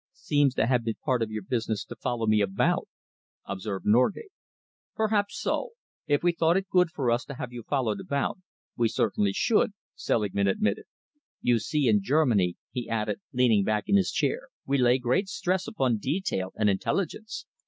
"Seems to have been part of your business to follow me about," observed Norgate. "Perhaps so. If we thought it good for us to have you followed about, we certainly should," Selingman admitted. "You see, in Germany," he added, leaning back in his chair, "we lay great stress upon detail and intelligence.